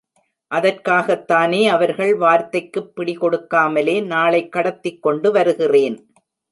அதற்காகத்தானே அவர்கள் வார்த்தைக்குப் பிடிகொடுக்காமலே நாளைக் கடத்திக் கொண்டு வருகிறேன்.